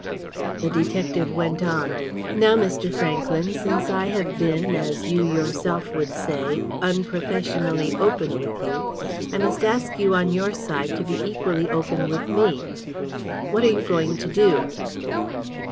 The detective went on. "Now, Mr. Franklyn, since I have been, as you yourself would say, unprofessionally open with you, I must ask you, on your side, to be equally open with me. What are you going to do?"